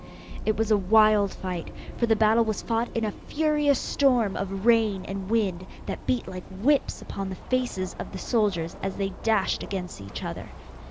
It was a wild fight, for the battle was fought in a furious storm of rain and wind that beat like whips upon the faces of the soldiers as they dashed against each other.